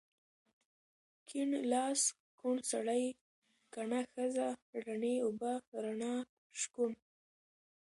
کيڼ لاس، کوڼ سړی، کڼه ښځه، رڼې اوبه، رڼا، شکوڼ